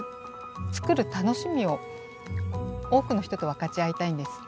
作る楽しみを多くの人と分かち合いたいんです。